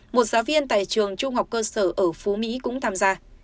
một giáo viên tại trường trung học cơ sở ở phú mỹ cũng tham gia